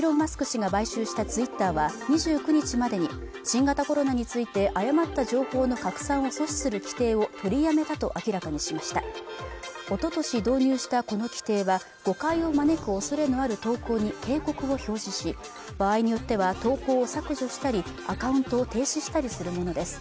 氏が買収したＴｗｉｔｔｅｒは２９日までに新型コロナについて誤った情報の拡散を阻止する規定を取りやめたと明らかにしましたおととし導入したこの規定は誤解を招く恐れのある投稿に警告を表示し場合によっては投稿を削除したりアカウントを停止したりするものです